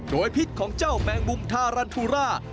โดยพิษของเจ้าแมงมุมทารันทูรา